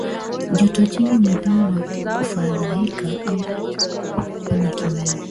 Joto jingi mwilini na kufadhaika au kuwa na kiwewe